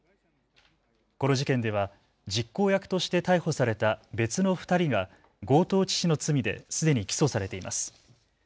この事件では実行役として逮捕された別の２人が強盗致死の罪ですでに起訴されています。